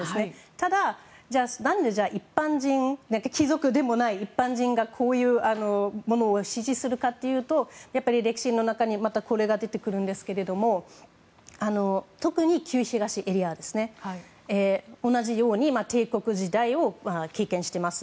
ただ、何で貴族でもない一般人がこういうものを支持するかというと、やっぱり歴史の中にまたこれが出てくるんですけど特に旧東エリアは同じように帝国時代を経験しています。